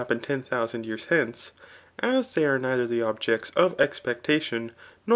[i,tmJh(m$andyeai^ hence^ as they are neithjer the ohjecte of expectation nor.